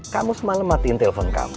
kamu semalam matiin telpon kamu